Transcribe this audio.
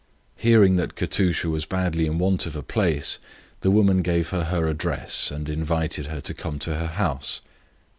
Hearing that Katusha was badly in want of a place, the woman gave her her address, and invited her to come to her house.